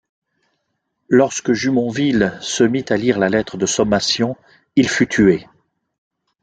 Lorsque Jumonville se mit à lire la lettre de sommation, il fut tué.